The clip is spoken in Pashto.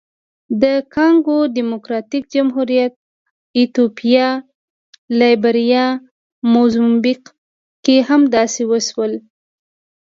د کانګو ډیموکراتیک جمهوریت، ایتوپیا، لایبیریا، موزمبیق کې هم داسې وشول.